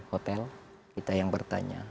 hotel kita yang bertanya